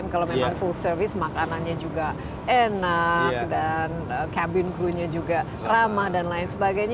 kalau memang full service makanannya juga enak dan cabin crew nya juga ramah dan lain sebagainya